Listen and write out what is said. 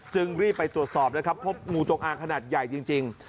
รีบไปตรวจสอบนะครับพบงูจงอางขนาดใหญ่จริง